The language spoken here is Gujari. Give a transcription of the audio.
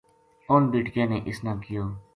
اُنھ بیٹکیاں نے اِس نا کہیو